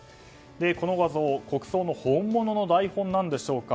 この画像は国葬の本物の台本なのでしょうか。